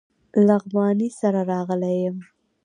لغمانی سره راغلی یم.